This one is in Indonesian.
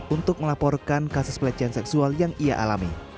untuk melaporkan kasus pelecehan seksual yang ia alami